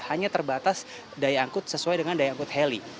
hanya terbatas daya angkut sesuai dengan daya angkut heli